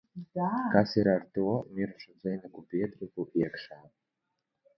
"Kas ir ar to "Mirušo dzejnieku biedrību" iekšā?"